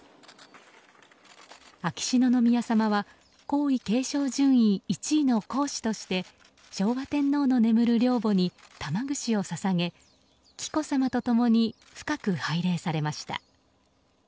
秋篠宮さまは皇位継承順位１位の皇嗣として昭和天皇の眠る陵墓に玉串を捧げ紀子さまと共に深く拝礼されました。